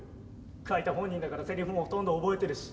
書いた本人だからせりふもほとんど覚えてるし。